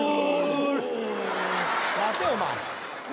待てお前。